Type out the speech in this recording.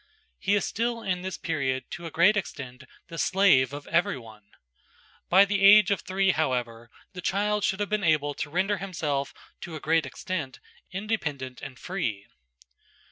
He is still in this period to a great extent the slave of everyone. By the age of three, however, the child should have been able to render himself to a great extent independent and free.